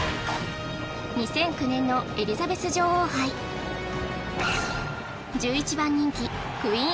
２００９年のエリザベス女王杯１１番人気クィーン